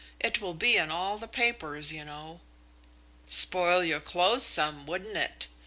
It will be in all the papers, you know." "Spoil your clothes some, wouldn't it?"